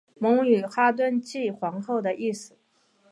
蒙语哈屯即皇后的意思。